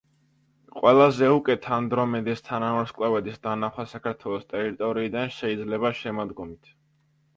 ყველაზე უკეთ ანდრომედეს თანავარსკვლავედის დანახვა, საქართველოს ტერიტორიიდან შეიძლება შემოდგომით.